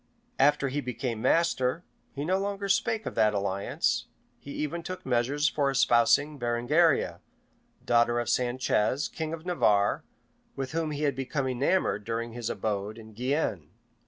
After he became master, he no longer spake of that alliance: he even took measures for espousing Berengaria, daughter of Sanchez, king of Navarre, with whom he had become enamored during his abode in Guienne.